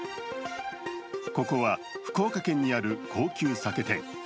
ここは福岡県にある高級酒店。